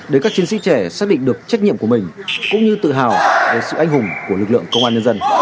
để các chiến sĩ trẻ xác định được trách nhiệm của mình cũng như tự hào về sự anh hùng của lực lượng công an nhân dân